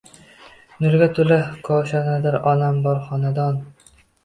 Nurga tula koshonadir onam bor xonadon